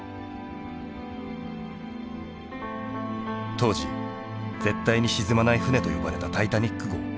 当時「絶対に沈まない船」と呼ばれたタイタニック号。